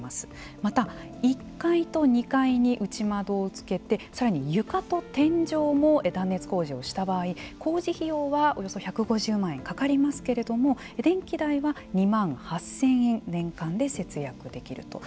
また、１階と２階に内窓をつけてさらに床と天井にも断熱工事をした場合工事費用は、およそ１５０万円かかりますけれども電気代は２万８０００円年間で節約できると。